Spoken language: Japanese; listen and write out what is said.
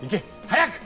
早く！